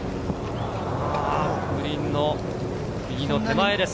グリーンの右の手前です。